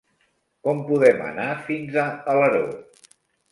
Com podem anar fins a Alaró?